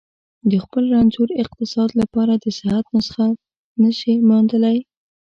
د خپل رنځور اقتصاد لپاره د صحت نسخه نه شي موندلای.